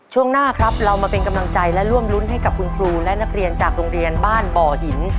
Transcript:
ช่วงหน้าครับเรามาเป็นกำลังใจและร่วมรุ้นให้กับคุณครูและนักเรียนจากโรงเรียนบ้านบ่อหิน